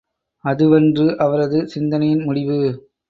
அதுவன்று அவரது சிந்தனையின் முடிவு.